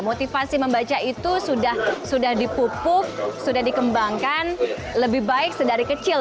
motivasi membaca itu sudah dipupuk sudah dikembangkan lebih baik sedari kecil